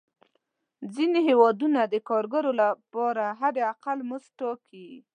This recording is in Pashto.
ځینې هېوادونه د کارګرو لپاره حد اقل مزد ټاکي.